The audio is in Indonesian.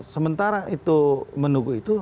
sementara itu menunggu itu